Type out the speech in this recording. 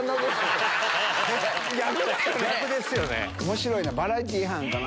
面白いな。